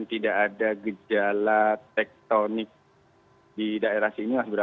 tidak ada gejala tektonik di daerah sini mas bra